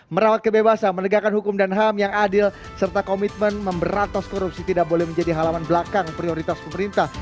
merawat kebebasan menegakkan hukum dan ham yang adil serta komitmen memberantas korupsi tidak boleh menjadi halaman belakang prioritas pemerintah